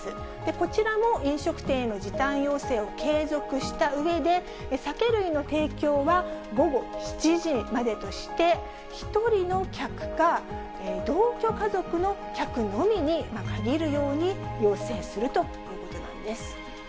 こちらも飲食店への時短要請を継続したうえで、酒類の提供は午後７時までとして、１人の客か、同居家族の客のみに限るように要請するということなんです。